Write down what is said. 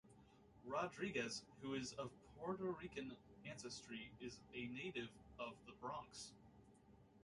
Rodriguez, who is of Puerto Rican ancestry is a native of the Bronx.